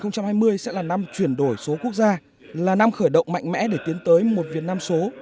năm hai nghìn hai mươi sẽ là năm chuyển đổi số quốc gia là năm khởi động mạnh mẽ để tiến tới một việt nam số